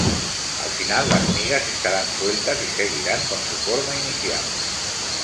Al final, las migas estarán sueltas y seguirán con su forma inicial.